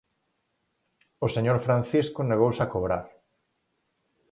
O señor Francisco negouse a cobrar.